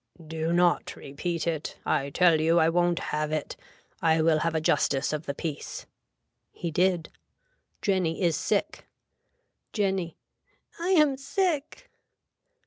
Do not repeat it. I tell you I won't have it. I will have a justice of the peace. (He did.) Jenny is sick. (Jenny.) I am sick.